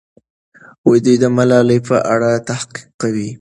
دوی د ملالۍ په اړه تحقیق کوي.